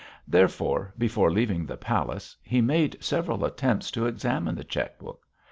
Therefore, before leaving the palace, he made several attempts to examine the cheque book.